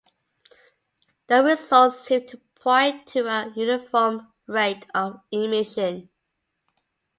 The results seem to point to a uniform rate of emission.